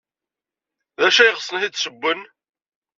D acu ay ɣsen ad t-id-ssewwen?